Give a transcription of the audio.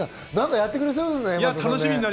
やってくれそうですよね。